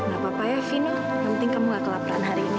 gak apa apa ya vino yang penting kamu gak kelaparan hari ini